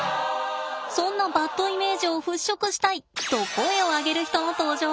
そんなバッドイメージを払拭したい！と声を上げる人の登場です。